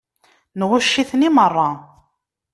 Nɣucc-iten i meṛṛa.